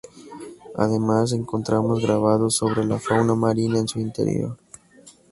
Además, encontramos grabados sobre la fauna marina en su interior.